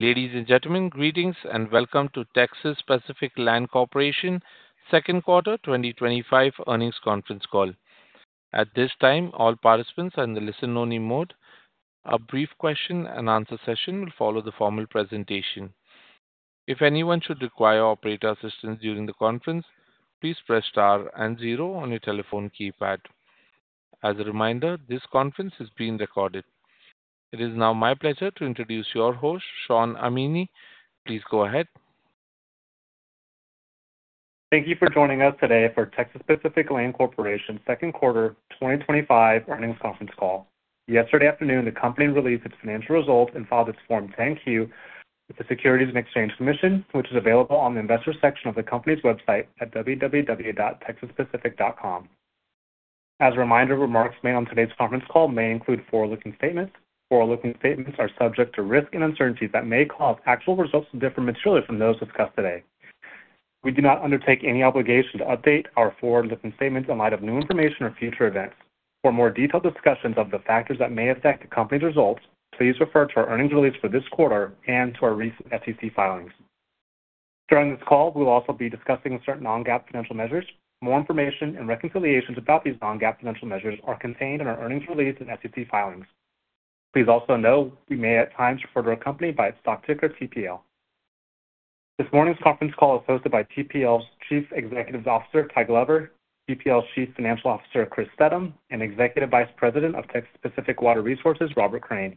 Ladies and gentlemen, greetings and welcome to Texas Pacific Land Corporation's Second Quarter 2025 Earnings Conference Call. At this time, all participants are in the listen-only mode. A brief question and answer session will follow the formal presentation. If anyone should require operator assistance during the conference, please press star and zero on your telephone keypad. As a reminder, this conference is being recorded. It is now my pleasure to introduce your host, Shawn Amini. Please go ahead. Thank you for joining us today for Texas Pacific Land Corporation's Second Quarter 2025 Earnings Conference Call. Yesterday afternoon, the company released its financial results and filed its Form 10-Q with the Securities and Exchange Commission, which is available on the investor section of the company's website at www.texaspacific.com. As a reminder, remarks made on today's conference call may include forward-looking statements. Forward-looking statements are subject to risk and uncertainty that may cause actual results to differ materially from those discussed today. We do not undertake any obligation to update our forward-looking statements in light of new information or future events. For more detailed discussions of the factors that may affect the company's results, please refer to our earnings release for this quarter and to our recent SEC filings. During this call, we will also be discussing certain non-GAAP financial measures. More information and reconciliations about these non-GAAP financial measures are contained in our earnings release and SEC filings. Please also note we may at times refer to a company by its stock ticker, TPL. This morning's conference call is hosted by TPL's Chief Executive Officer, Ty Glover, TPL's Chief Financial Officer, Chris Steddum, and Executive Vice President of Texas Pacific Water Resources, Robert Crain.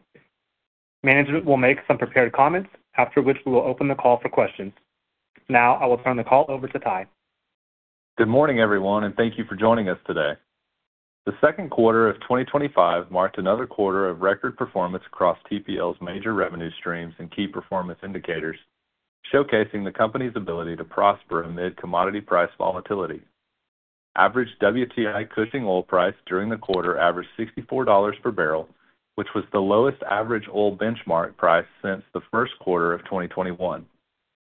Management will make some prepared comments, after which we will open the call for questions. Now, I will turn the call over to Ty. Good morning, everyone, and thank you for joining us today. The second quarter of 2025 marked another quarter of record performance across TPL's major revenue streams and key performance indicators, showcasing the company's ability to prosper amid commodity price volatility. Average WTI oil price during the quarter averaged $64 per barrel, which was the lowest average oil benchmark price since the first quarter of 2021.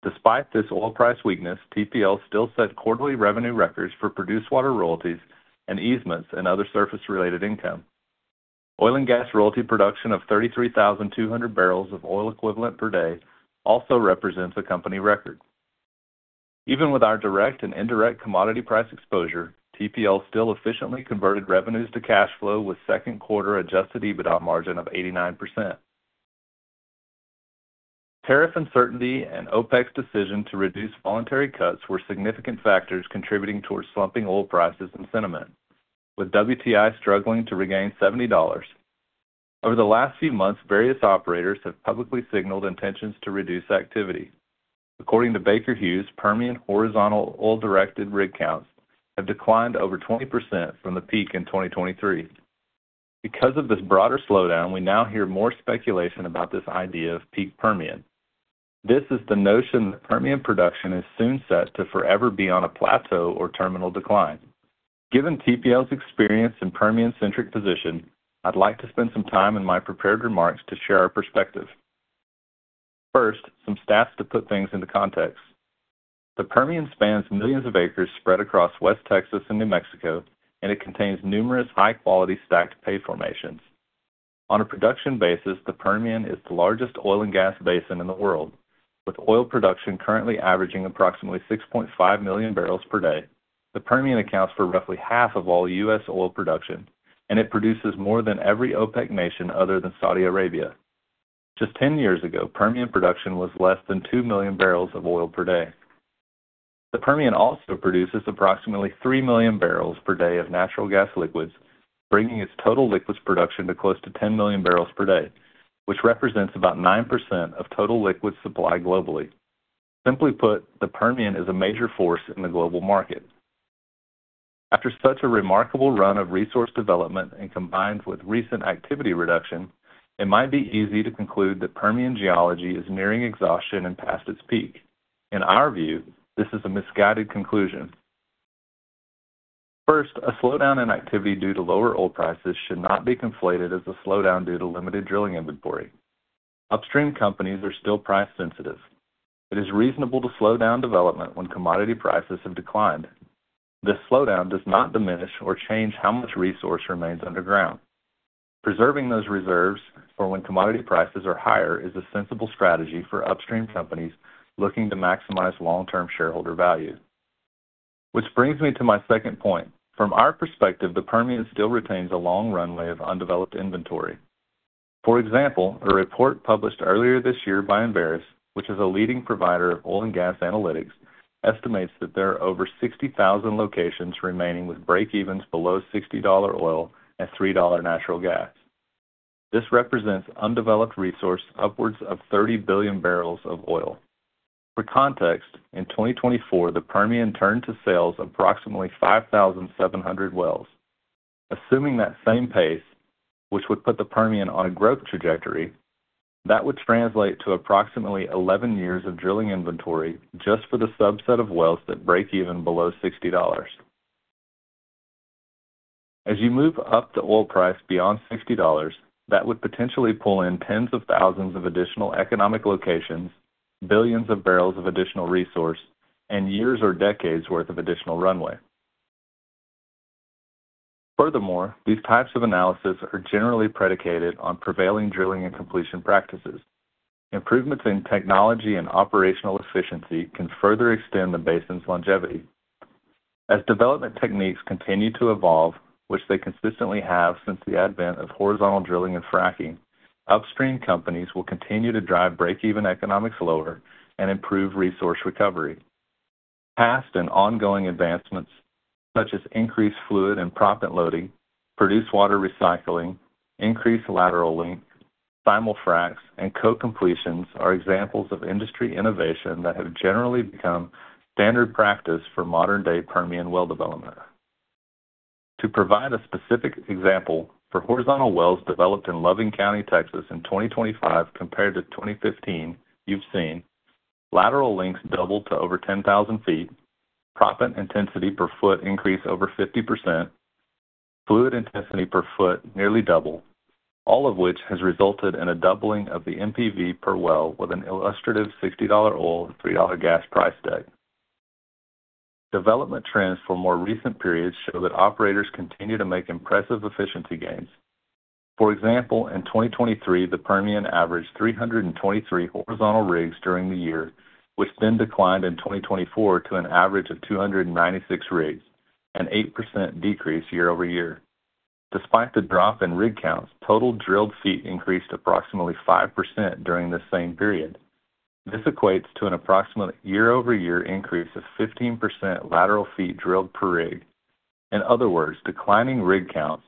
Despite this oil price weakness, TPL still set quarterly revenue records for produced water royalties and easements and other surface-related income. Oil and gas royalty production of 33,200 barrels of oil equivalent per day also represents a company record. Even with our direct and indirect commodity price exposure, TPL still efficiently converted revenues to cash flow with second quarter adjusted EBITDA margin of 89%. Tariff uncertainty and OPEC's decision to reduce voluntary cuts were significant factors contributing towards slumping oil prices in the Permian, with WTI struggling to regain $70. Over the last few months, various operators have publicly signaled intentions to reduce activity. According to Baker Hughes, Permian horizontal oil-directed rig counts have declined over 20% from the peak in 2023. Because of this broader slowdown, we now hear more speculation about this idea of peak Permian. This is the notion that Permian production is soon set to forever be on a plateau or terminal decline. Given TPL's experience in Permian-centric position, I'd like to spend some time in my prepared remarks to share our perspective. First, some stats to put things into context. The Permian spans millions of acres spread across West Texas and New Mexico, and it contains numerous high-quality stacked pay formations. On a production basis, the Permian is the largest oil and gas basin in the world, with oil production currently averaging approximately 6.5 million barrels per day. The Permian accounts for roughly half of all U.S. oil production, and it produces more than every OPEC nation other than Saudi Arabia. Just 10 years ago, Permian production was less than 2 million barrels of oil per day. The Permian also produces approximately 3 million barrels per day of natural gas liquids, bringing its total liquids production to close to 10 million barrels per day, which represents about 9% of total liquids supply globally. Simply put, the Permian is a major force in the global market. After such a remarkable run of resource development and combined with recent activity reduction, it might be easy to conclude that Permian geology is nearing exhaustion and past its peak. In our view, this is a misguided conclusion. First, a slowdown in activity due to lower oil prices should not be conflated with a slowdown due to limited drilling inventory. Upstream companies are still price-sensitive. It is reasonable to slow down development when commodity prices have declined. This slowdown does not diminish or change how much resource remains underground. Preserving those reserves for when commodity prices are higher is a sensible strategy for upstream companies looking to maximize long-term shareholder value. Which brings me to my second point. From our perspective, the Permian still retains a long runway of undeveloped inventory. For example, a report published earlier this year by Enverus, which is a leading provider of oil and gas analytics, estimates that there are over 60,000 locations remaining with break-evens below $60 oil and $3 natural gas. This represents undeveloped resource upwards of 30 billion barrels of oil. For context, in 2024, the Permian turned to sales approximately 5,700 wells. Assuming that same pace, which would put the Permian on a growth trajectory, that would translate to approximately 11 years of drilling inventory just for the subset of wells that break even below $60. As you move up the oil price beyond $60, that would potentially pull in tens of thousands of additional economic locations, billions of barrels of additional resource, and years or decades' worth of additional runway. Furthermore, these types of analyses are generally predicated on prevailing drilling and completion practices. Improvements in technology and operational efficiency can further extend the basin's longevity. As development techniques continue to evolve, which they consistently have since the advent of horizontal drilling and fracking, upstream companies will continue to drive break-even economics lower and improve resource recovery. Past and ongoing advancements, such as increased fluid and proppant loading, produced water recycling, increased lateral length, simul fracs, and co-completions are examples of industry innovation that have generally become standard practice for modern-day Permian well development. To provide a specific example, for horizontal wells developed in Loving County, Texas, in 2025 compared to 2015, you've seen lateral lengths double to over 10,000 feet, proppant intensity per foot increase over 50%, fluid intensity per foot nearly double, all of which has resulted in a doubling of the MPV per well with an illustrative $60 oil and $3 gas price stake. Development trends from more recent periods show that operators continue to make impressive efficiency gains. For example, in 2023, the Permian averaged 323 horizontal rigs during the year, which then declined in 2024 to an average of 296 rigs, an 8% decrease year over year. Despite the drop in rig counts, total drilled feet increased approximately 5% during the same period. This equates to an approximate year-over-year increase of 15% lateral feet drilled per rig. In other words, declining rig counts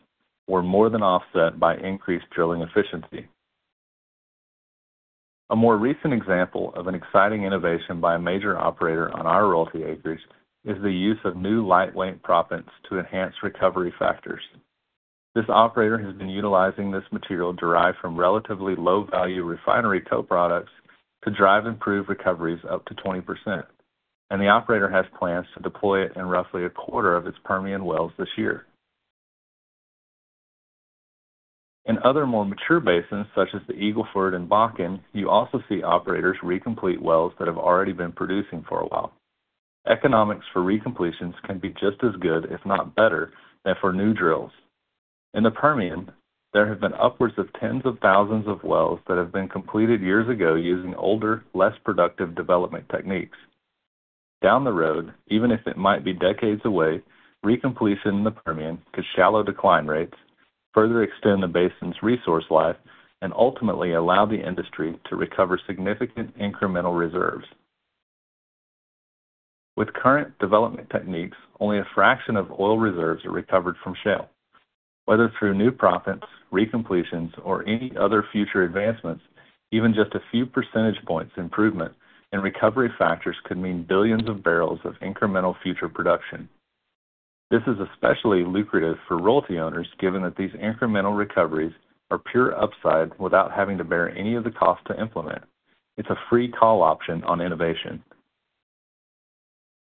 were more than offset by increased drilling efficiency. A more recent example of an exciting innovation by a major operator on our royalty acres is the use of new lightweight proppants to enhance recovery factors. This operator has been utilizing this material derived from relatively low-value refinery co-products to drive improved recoveries up to 20%. The operator has plans to deploy it in roughly a quarter of its Permian wells this year. In other more mature basins, such as the Eagle Ford and Bakken, you also see operators recomplete wells that have already been producing for a while. Economics for recompletions can be just as good, if not better, than for new drills. In the Permian, there have been upwards of tens of thousands of wells that have been completed years ago using older, less productive development techniques. Down the road, even if it might be decades away, recompletion in the Permian could shallow decline rates, further extend the basin's resource life, and ultimately allow the industry to recover significant incremental reserves. With current development techniques, only a fraction of oil reserves are recovered from shale. Whether through new proppants, recompletions, or any other future advancements, even just a few percentage points improvement in recovery factors could mean billions of barrels of incremental future production. This is especially lucrative for royalty owners, given that these incremental recoveries are pure upside without having to bear any of the costs to implement. It's a free call option on innovation.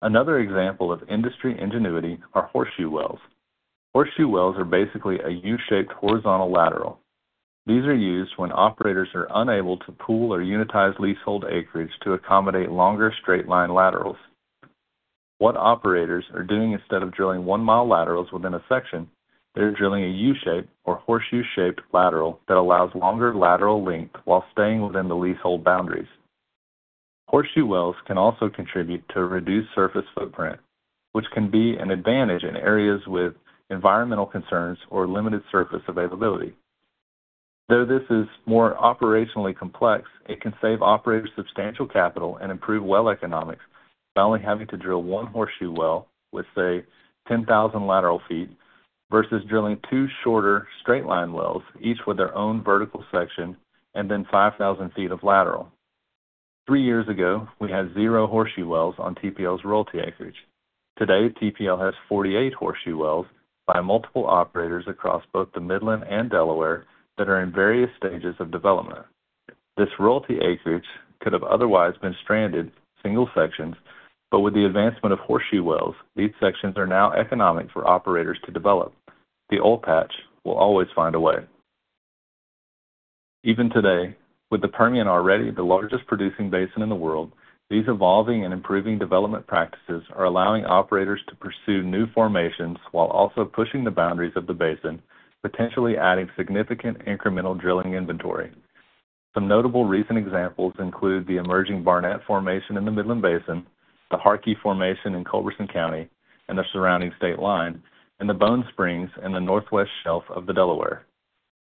Another example of industry ingenuity are horseshoe wells. Horseshoe wells are basically a U-shaped horizontal lateral. These are used when operators are unable to pool or unitize leasehold acreage to accommodate longer straight line laterals. What operators are doing instead of drilling one-mile laterals within a section, they're drilling a U-shaped or horseshoe-shaped lateral that allows longer lateral length while staying within the leasehold boundaries. Horseshoe wells can also contribute to a reduced surface footprint, which can be an advantage in areas with environmental concerns or limited surface availability. Though this is more operationally complex, it can save operators substantial capital and improve well economics by only having to drill one horseshoe well with, say, 10,000 lateral feet versus drilling two shorter straight line wells, each with their own vertical section, and then 5,000 feet of lateral. Three years ago, we had zero horseshoe wells on TPL's royalty acreage. Today, TPL has 48 horseshoe wells by multiple operators across both the Midland and Delaware that are in various stages of development. This royalty acreage could have otherwise been stranded single sections, but with the advancement of horseshoe wells, these sections are now economic for operators to develop. The old patch will always find a way. Even today, with the Permian already the largest producing basin in the world, these evolving and improving development practices are allowing operators to pursue new formations while also pushing the boundaries of the basin, potentially adding significant incremental drilling inventory. Some notable recent examples include the emerging Barnett Formation in the Midland Basin, the Harkey Formation in Culberson County, and the surrounding state line, and the Bone Spring in the northwest shelf of the Delaware.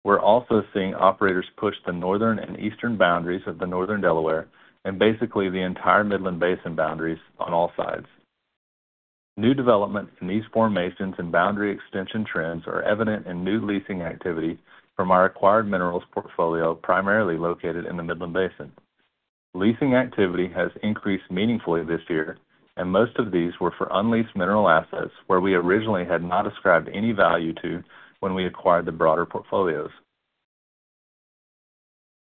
We're also seeing operators push the northern and eastern boundaries of the Northern Delaware and basically the entire Midland Basin boundaries on all sides. New developments in these formations and boundary extension trends are evident in new leasing activity from our acquired minerals portfolio, primarily located in the Midland Basin. Leasing activity has increased meaningfully this year, and most of these were for unleased mineral assets where we originally had not ascribed any value to when we acquired the broader portfolios.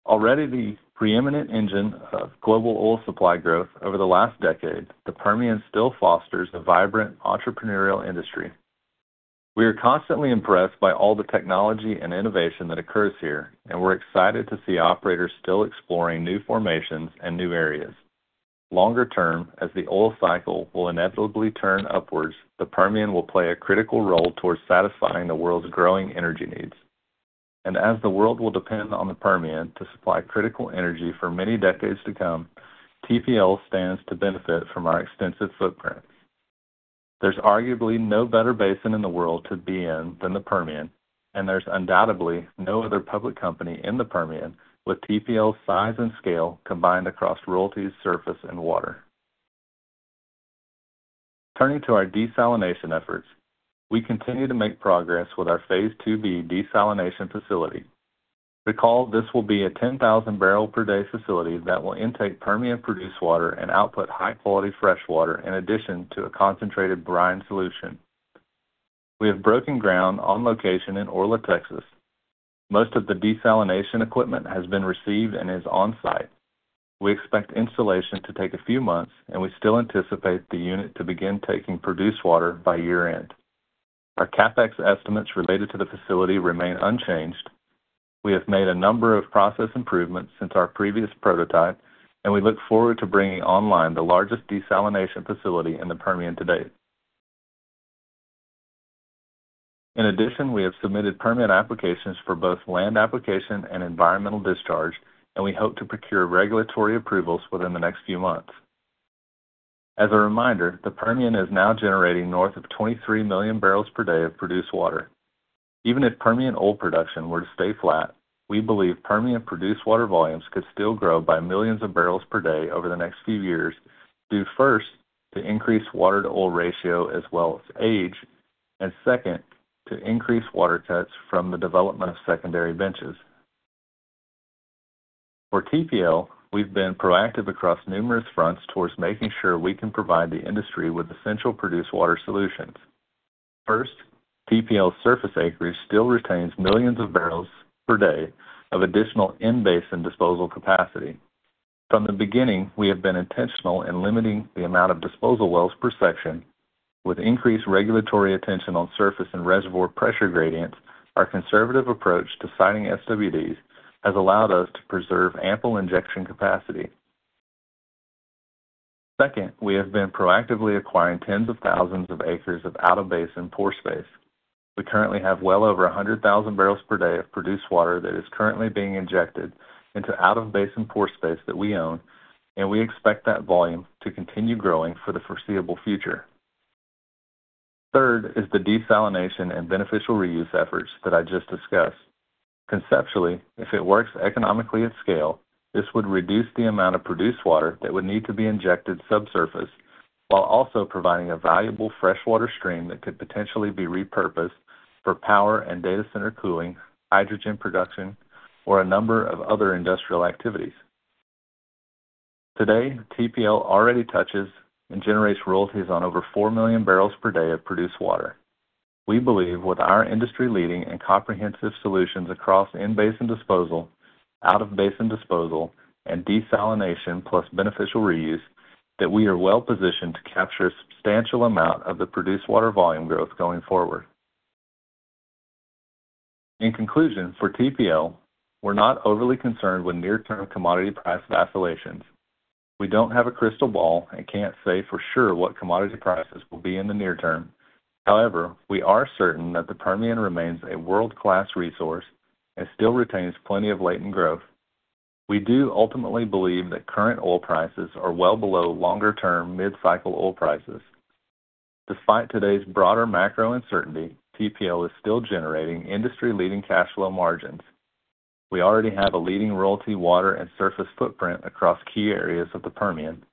Already the preeminent engine of global oil supply growth over the last decade, the Permian still fosters a vibrant entrepreneurial industry. We are constantly impressed by all the technology and innovation that occurs here, and we're excited to see operators still exploring new formations and new areas. Longer term, as the oil cycle will inevitably turn upwards, the Permian will play a critical role towards satisfying the world's growing energy needs. As the world will depend on the Permian to supply critical energy for many decades to come, TPL stands to benefit from our extensive footprint. There's arguably no better basin in the world to be in than the Permian, and there's undoubtedly no other public company in the Permian with TPL's size and scale combined across royalties, surface, and water. Turning to our desalination efforts, we continue to make progress with our phase II-B desalination facility. Recall, this will be a 10,000-barrel-per-day facility that will intake Permian-produced water and output high-quality fresh water in addition to a concentrated brine solution. We have broken ground on location in Orla, Texas. Most of the desalination equipment has been received and is on site. We expect installation to take a few months, and we still anticipate the unit to begin taking produced water by year-end. Our CapEx estimates related to the facility remain unchanged. We have made a number of process improvements since our previous prototype, and we look forward to bringing online the largest desalination facility in the Permian to date. In addition, we have submitted Permian applications for both land application and environmental discharge, and we hope to procure regulatory approvals within the next few months. As a reminder, the Permian is now generating north of 23 million barrels per day of produced water. Even if Permian oil production were to stay flat, we believe Permian-produced water volumes could still grow by millions of barrels per day over the next few years, due first to increased water-to-oil ratio as well as age, and second to increased water cuts from the development of secondary benches. For TPL, we've been proactive across numerous fronts towards making sure we can provide the industry with essential produced water solutions. First, TPL's surface acreage still retains millions of barrels per day of additional in-basin and disposal capacity. From the beginning, we have been intentional in limiting the amount of disposal wells per section. With increased regulatory attention on surface and reservoir pressure gradients, our conservative approach to signing SWDs has allowed us to preserve ample injection capacity. Second, we have been proactively acquiring tens of thousands of acres of out-of-basin and pore space. We currently have well over 100,000 barrels per day of produced water that is currently being injected into out-of-basin and pore space that we own, and we expect that volume to continue growing for the foreseeable future. Third is the desalination and beneficial reuse efforts that I just discussed. Conceptually, if it works economically at scale, this would reduce the amount of produced water that would need to be injected subsurface while also providing a valuable freshwater stream that could potentially be repurposed for power and data center cooling, hydrogen production, or a number of other industrial activities. Today, TPL already touches and generates royalties on over 4 million barrels per day of produced water. We believe with our industry-leading and comprehensive solutions across in-basin and disposal, out-of-basin and disposal, and desalination plus beneficial reuse, that we are well positioned to capture a substantial amount of the produced water volume growth going forward. In conclusion, for TPL, we're not overly concerned with near-term commodity price vacillations. We don't have a crystal ball and can't say for sure what commodity prices will be in the near term. However, we are certain that the Permian remains a world-class resource and still retains plenty of latent growth. We do ultimately believe that current oil prices are well below longer-term mid-cycle oil prices. Despite today's broader macro uncertainty, TPL is still generating industry-leading cash flow margins. We already have a leading royalty water and surface footprint across key areas of the Permian.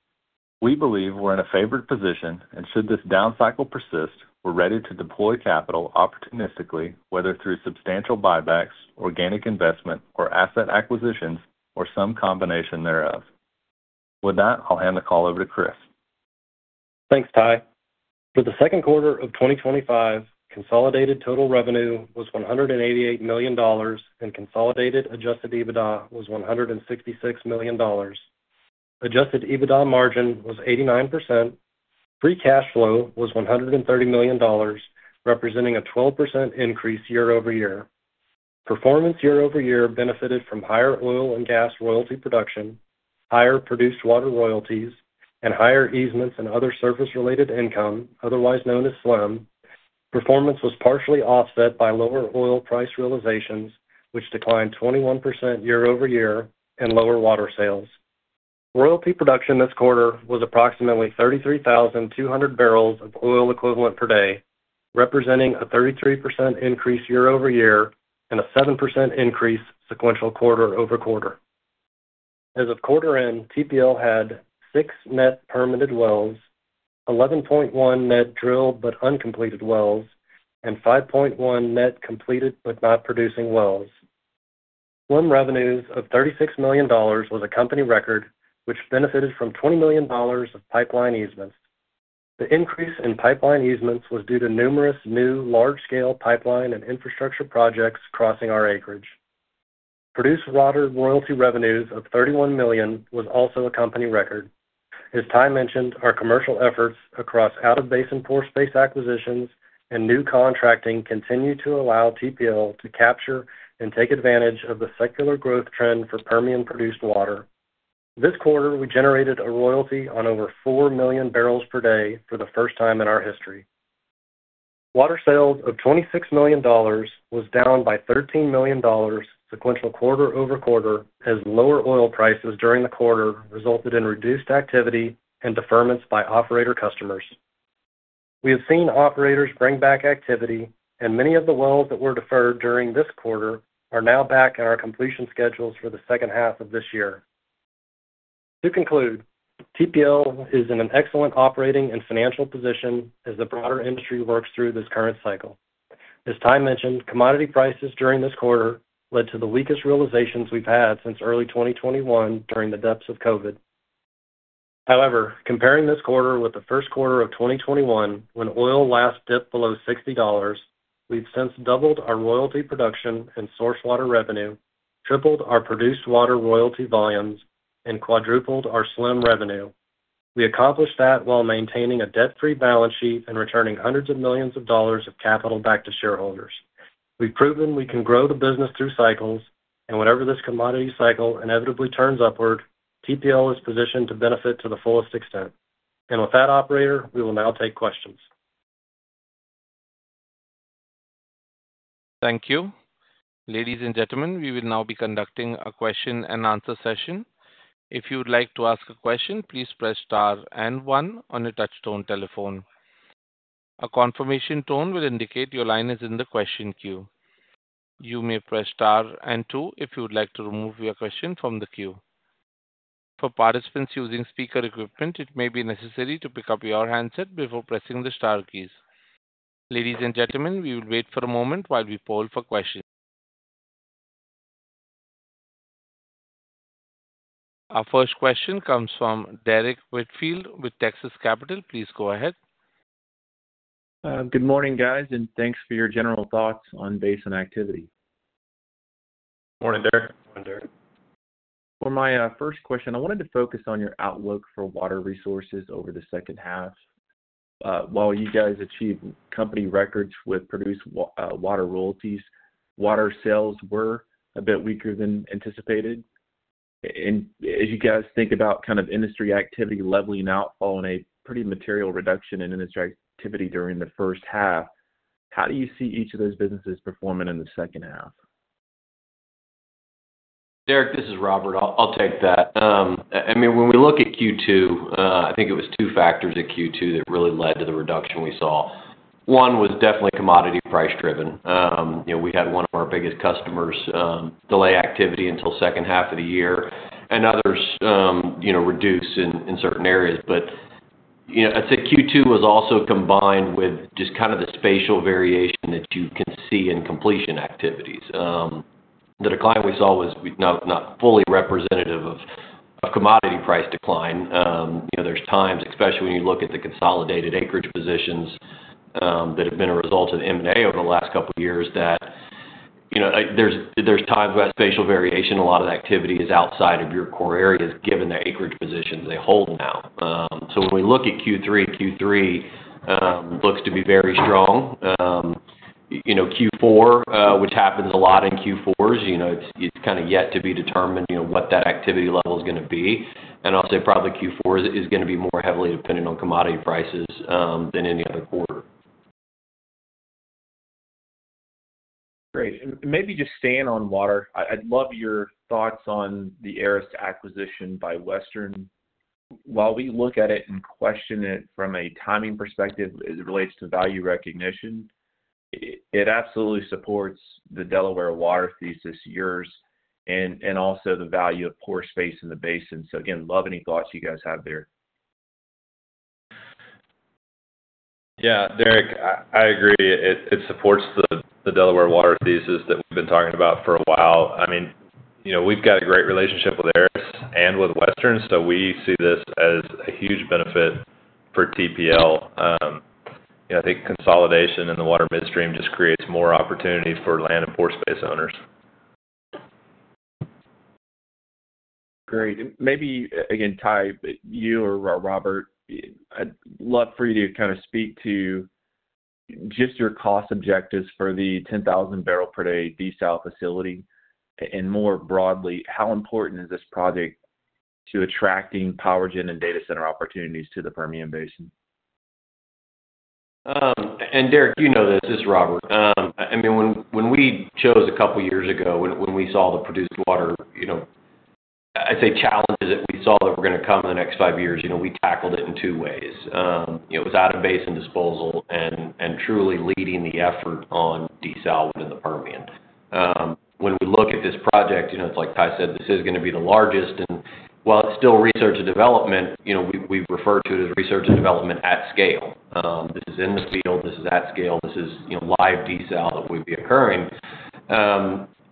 We believe we're in a favored position, and should this down cycle persist, we're ready to deploy capital opportunistically, whether through substantial buybacks, organic investment, or asset acquisitions, or some combination thereof. With that, I'll hand the call over to Chris. Thanks, Ty. For the second quarter of 2025, consolidated total revenue was $188 million, and consolidated adjusted EBITDA was $166 million. Adjusted EBITDA margin was 89%. Free cash flow was $130 million, representing a 12% increase year over year. Performance year over year benefited from higher oil and gas royalty production, higher produced water royalties, and higher easements and other surface-related income, otherwise known as SLM. Performance was partially offset by lower oil price realizations, which declined 21% year over year, and lower water sales. Royalty production this quarter was approximately 33,200 barrels of oil equivalent per day, representing a 33% increase year over year and a 7% increase sequential quarter over quarter. As of quarter end, TPL had six net permitted wells, 11.1 net drilled but uncompleted wells, and 5.1 net completed but not producing wells. SLM revenues of $36 million was a company record, which benefited from $20 million of pipeline easements. The increase in pipeline easements was due to numerous new large-scale pipeline and infrastructure projects crossing our acreage. Produced water royalty revenues of $31 million was also a company record. As Ty mentioned, our commercial efforts across out-of-basin and pore space acquisitions and new contracting continue to allow TPL to capture and take advantage of the secular growth trend for Permian-produced water. This quarter, we generated a royalty on over 4 million barrels per day for the first time in our history. Water sales of $26 million was down by $13 million sequential quarter over quarter as lower oil prices during the quarter resulted in reduced activity and deferments by operator customers. We have seen operators bring back activity, and many of the wells that were deferred during this quarter are now back in our completion schedules for the second half of this year. To conclude, TPL is in an excellent operating and financial position as the broader industry works through this current cycle. As Ty mentioned, commodity prices during this quarter led to the weakest realizations we've had since early 2021 during the depths of COVID. However, comparing this quarter with the first quarter of 2021, when oil last dipped below $60, we've since doubled our royalty production and source water revenue, tripled our produced water royalty volumes, and quadrupled our SLM revenue. We accomplished that while maintaining a debt-free balance sheet and returning hundreds of millions of dollars of capital back to shareholders. We've proven we can grow the business through cycles, and whenever this commodity cycle inevitably turns upward, TPL is positioned to benefit to the fullest extent. With that, operator, we will now take questions. Thank you. Ladies and gentlemen, we will now be conducting a question and answer session. If you would like to ask a question, please press star and one on your touch-tone telephone. A confirmation tone will indicate your line is in the question queue. You may press star and two if you would like to remove your question from the queue. For participants using speaker equipment, it may be necessary to pick up your handset before pressing the star keys. Ladies and gentlemen, we will wait for a moment while we poll for questions. Our first question comes from Derrick Whitfield with Texas Capital. Please go ahead. Good morning, guys, and thanks for your general thoughts on basin activity. Morning, Derek. For my first question, I wanted to focus on your outlook for water resources over the second half. While you guys achieved company records with produced water royalties, water sales were a bit weaker than anticipated. As you guys think about kind of industry activity leveling out following a pretty material reduction in industry activity during the first half, how do you see each of those businesses performing in the second half? Derek, this is Robert. I'll take that. When we look at Q2, I think it was two factors in Q2 that really led to the reduction we saw. One was definitely commodity price driven. We had one of our biggest customers delay activity until the second half of the year, and others reduced in certain areas. I'd say Q2 was also combined with just kind of the spatial variation that you can see in completion activities. The decline we saw was not fully representative of a commodity price decline. There are times, especially when you look at the consolidated acreage positions that have been a result of M&A over the last couple of years, that there are times where that spatial variation, a lot of activity is outside of your core areas given the acreage positions they hold now. When we look at Q3, Q3 looks to be very strong. Q4, which happens a lot in Q4s, is kind of yet to be determined what that activity level is going to be. I'll say probably Q4 is going to be more heavily dependent on commodity prices than any other quarter. Great. Maybe just staying on water, I'd love your thoughts on the Aris acquisition by Western. While we look at it and question it from a timing perspective as it relates to value recognition, it absolutely supports the Delaware water thesis, yours, and also the value of pore space in the basin. Love any thoughts you guys have there. Yeah, Derrick, I agree. It supports the Delaware water thesis that we've been talking about for a while. We've got a great relationship with Aris and with Western, so we see this as a huge benefit for TPL. I think consolidation in the water midstream just creates more opportunities for land and pore space owners. Great. Maybe, Ty, you or Robert, I'd love for you to kind of speak to just your cost objectives for the 10,000 barrel per day desal facility. More broadly, how important is this project to attracting power generation and data center opportunities to the Permian Basin? Derrick, you know this is Robert. When we chose a couple of years ago, when we saw the produced water challenges that we saw that were going to come in the next five years, we tackled it in two ways. It was out-of-basin disposal and truly leading the effort on desal within the Permian. When we look at this project, like Ty said, this is going to be the largest. While it's still research and development, we refer to it as research and development at scale. This is in the field. This is at scale. This is live desal that would be occurring.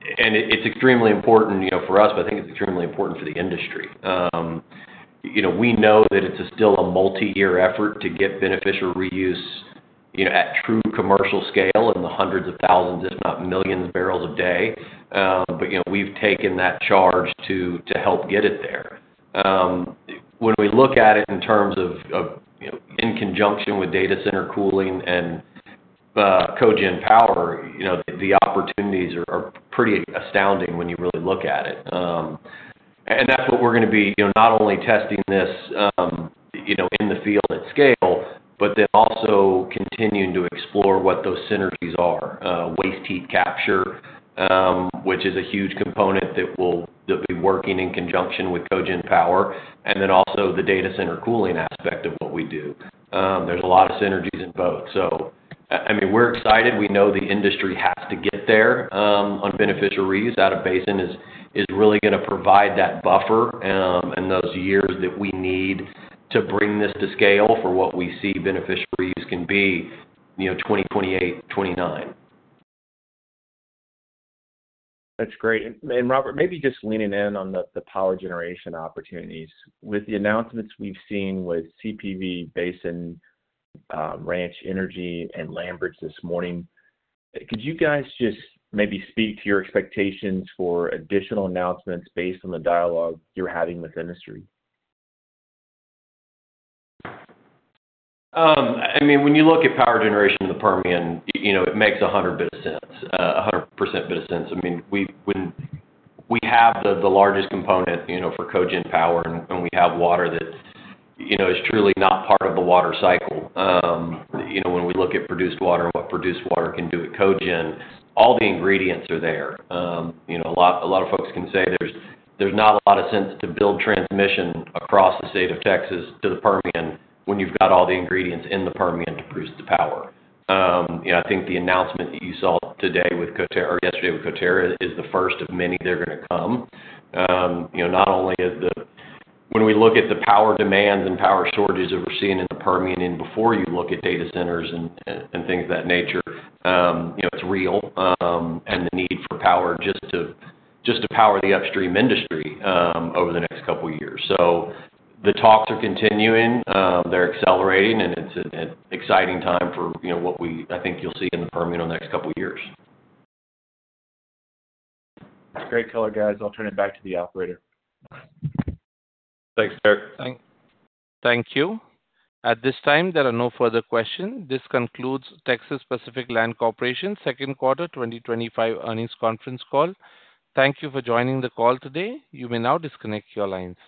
It's extremely important for us, but I think it's extremely important for the industry. We know that it's still a multi-year effort to get beneficial reuse at true commercial scale in the hundreds of thousands, if not millions, barrels a day. We've taken that charge to help get it there. When we look at it in terms of, in conjunction with data center cooling and cogen power, the opportunities are pretty astounding when you really look at it. That's what we're going to be not only testing in the field at scale, but then also continuing to explore what those synergies are. Waste heat capture, which is a huge component that will be working in conjunction with cogeneration power, and then also the data center cooling aspect of what we do. There's a lot of synergies in both. We're excited. We know the industry has to get there on beneficial reuse. Out-of-basin is really going to provide that buffer and those years that we need to bring this to scale for what we see beneficial reuse can be, 2028, 2029. That's great. Robert, maybe just leaning in on the power generation opportunities. With the announcements we've seen with CPV, Basin Ranch Energy, and Lamberts this morning, could you guys just maybe speak to your expectations for additional announcements based on the dialogue you're having with industry? I mean, when you look at power generation in the Permian, it makes 100% bit of sense. I mean, when we have the largest component for cogen power and we have water that is truly not part of the water cycle. When we look at produced water and what produced water can do at cogen, all the ingredients are there. A lot of folks can say there's not a lot of sense to build transmission across the state of Texas to the Permian when you've got all the ingredients in the Permian to produce the power. I think the announcement that you saw today or yesterday with Coterra is the first of many that are going to come. Not only is the, when we look at the power demands and power shortages that we're seeing in the Permian and before you look at data centers and things of that nature, it's real. The need for power just to power the upstream industry over the next couple of years is significant. The talks are continuing. They're accelerating, and it's an exciting time for what we, I think you'll see in the Permian in the next couple of years. It's a great color, guys. I'll turn it back to the operator. Thanks, Derek. Thank you. At this time, there are no further questions. This concludes Texas Pacific Land Corporation's second quarter 2025 earnings conference call. Thank you for joining the call today. You may now disconnect your lines.